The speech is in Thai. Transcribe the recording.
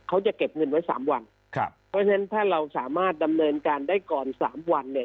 เขาจะเก็บเงินไว้สามวันครับเพราะฉะนั้นถ้าเราสามารถดำเนินการได้ก่อนสามวันเนี่ย